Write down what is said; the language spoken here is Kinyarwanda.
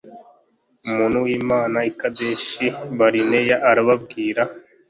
umuntu w'imana, i kadeshi barineya.arababwira